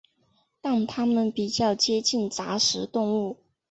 但它们比较接近杂食动物。